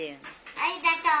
ありがとう。